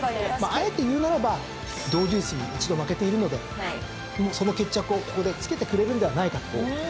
あえて言うならばドウデュースに一度負けているのでその決着をここでつけてくれるんではないかと。